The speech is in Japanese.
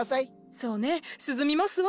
そうね涼みますわ。